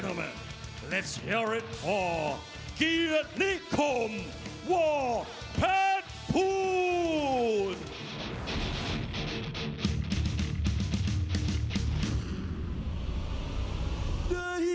วลิอมีเจ้าคือวอร์โคปพัน